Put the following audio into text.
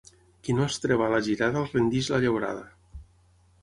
Qui no estreba a la girada el rendeix la llaurada.